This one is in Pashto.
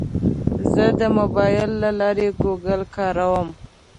زه د موبایل له لارې ګوګل کاروم.